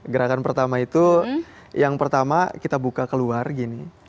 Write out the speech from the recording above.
gerakan pertama itu yang pertama kita buka keluar gini